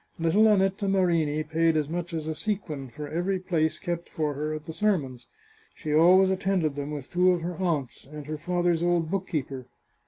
Little Annetta Marini paid as much as a sequin for every place kept for her at the sermons. She always attended them 523 The Chartreuse of Parma with two of her aunts, and her father's old bookkeeper.